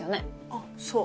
あっそう。